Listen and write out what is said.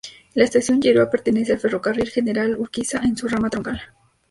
La Estación Yeruá pertenece al Ferrocarril General Urquiza, en su ramal troncal.